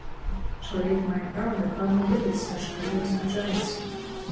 Чалавек мае права дакладна ведаць, на што ён згаджаецца.